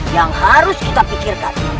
yang harus kita pikirkan